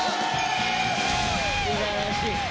すばらしい。